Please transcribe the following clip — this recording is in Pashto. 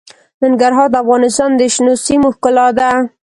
ننګرهار د افغانستان د شنو سیمو ښکلا ده.